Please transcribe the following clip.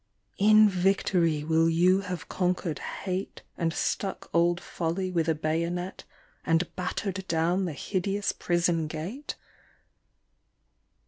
In victory will you have conquered Hate, And stuck old Folly with a bayonet And battered down the hideous prison gate